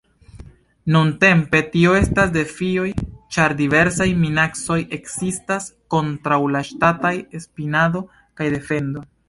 Nuntempe, tio estas defioj ĉar diversaj minacoj ekzistas kontraŭ la ŝtataj spionado kaj defendo.